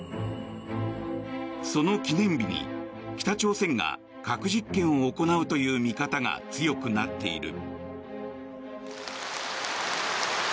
その記念日に北朝鮮が核実験を行うという見方が強くなっている。